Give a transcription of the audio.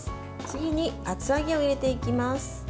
次に厚揚げを入れていきます。